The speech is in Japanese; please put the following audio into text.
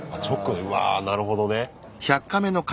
うわなるほどね。